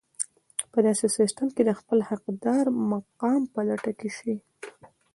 په داسې سيستم کې د خپل حقدار مقام په لټه کې شئ.